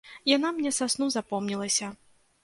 Яна мне са сну запомнілася.